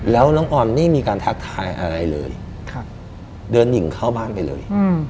แล้วน้องออนไม่มีการทักทายอะไรเลยเดินหนีเข้าบ้านไปเลย